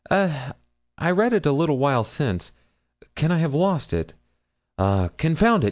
"Eh! I read it a little while since. Can I have lost it? Ah! confound it!